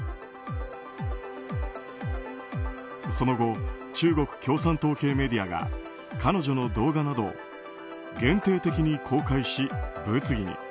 その後、中国共産党系メディアが彼女の動画など限定的に公開し、物議に。